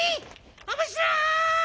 おもしろい！